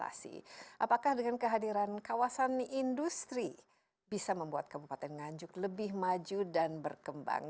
apakah dengan kehadiran kawasan industri bisa membuat kabupaten nganjuk lebih maju dan berkembang